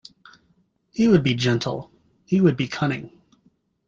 He would be gentle, he would be cunning.